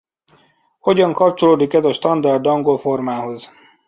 Hogyan kapcsolódik ez a standard angol formához?